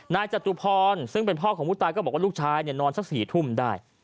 จตุพรซึ่งเป็นพ่อของผู้ตายก็บอกว่าลูกชายนอนสัก๔ทุ่มได้